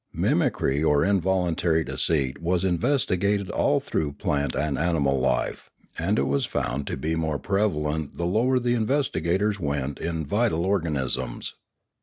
Mimicry or involuntary deceit was investigated all through plant and animal life, and it was found to be more prevalent the lower the investigators went in vital organisms.